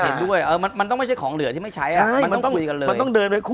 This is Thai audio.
เห็นด้วยมันต้องไม่ใช่ของเหลือที่ไม่ใช้